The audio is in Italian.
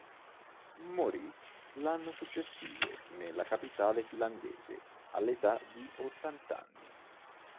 Morì l’anno successivo nella capitale finlandese, all’età di ottant’anni.